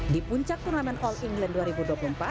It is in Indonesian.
di puncak turnamen all england dua ribu dua puluh empat